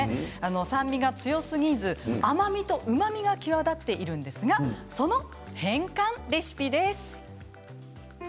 酸味が強すぎず、甘みとうまみが際立っているんですがその変換レシピです。